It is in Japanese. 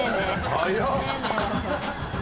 ・早っ！